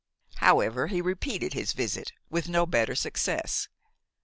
However he repeated his visit with no better success.